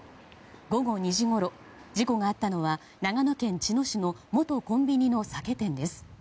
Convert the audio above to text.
午後２時ごろ、事故があったのは長野県茅野市の元コンビニの酒店です。